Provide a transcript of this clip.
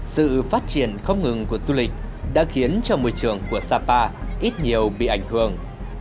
sự phát triển không ngừng của du lịch đã khiến cho môi trường của sapa ít nhiều bị ảnh hưởng